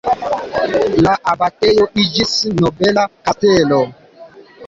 La abatejo iĝis nobela kastelo.